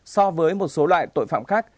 so với một số loại tội phạm khác